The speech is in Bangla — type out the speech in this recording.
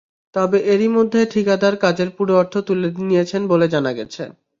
তবে এরই মধ্যে ঠিকাদার কাজের পুরো অর্থ তুলে নিয়েছেন বলে জানা গেছে।